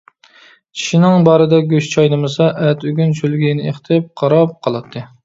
چىشىنىڭ بارىدا گۆش چاينىمىسا ئەتە-ئۆگۈن شۆلگىيىنى ئېقىتىپ قاراپ قالاتتى.